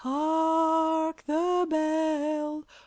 hark, the bell!